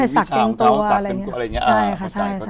สักเป็นตัวอะไรอย่างนี้